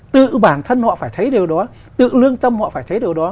tự bản thân họ phải thấy điều đó tự lương tâm họ phải thấy điều đó